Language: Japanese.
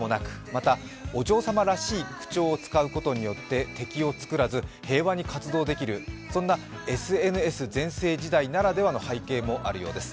またお嬢様らしい口調を使うことによって敵を作らず、平和に活動できる、そんなＳＮＳ全盛時代ならではの背景もあるようです。